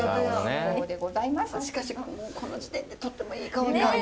しかしこの時点でとってもいい香りが。